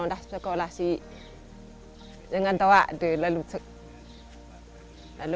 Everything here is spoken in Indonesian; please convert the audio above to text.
ndek kuah sama sekali